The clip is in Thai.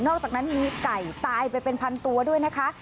อกจากนั้นมีไก่ตายไปเป็นพันตัวด้วยนะคะ